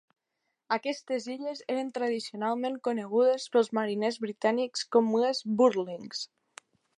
Aquestes illes eren tradicionalment conegudes pels mariners britànics com les "Burlings".